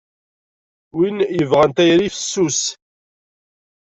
Win yebɣan tayri fessus.